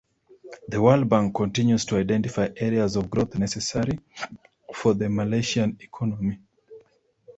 The World Bank continues to identify areas of growth necessary for the Malaysian economy.